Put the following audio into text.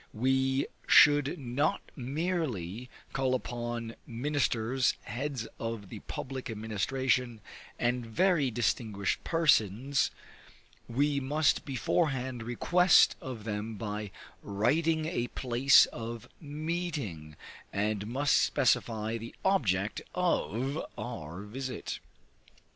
We should not merely call upon ministers, heads of the public administration, and very distinguished persons; we must beforehand request of them by writing a place of meeting and must specify the object of our visit.